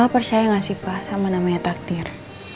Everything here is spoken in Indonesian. percaya gak sih pak sama namanya takdir